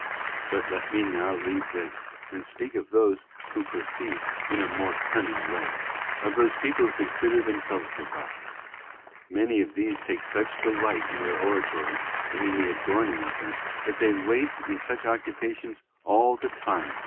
But let me now leave this, and speak of those who proceed in a more cunning way—of those people who consider themselves devout. Many of these take such delight in their oratories and in the adorn * Exod. xxxii. 19, 28. t Levit. x.